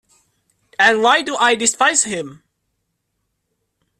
And why do I despise him?